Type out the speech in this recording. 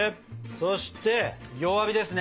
そして弱火ですね！